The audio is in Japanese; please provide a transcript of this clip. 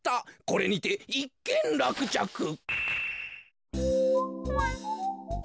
これにていっけんらくちゃく。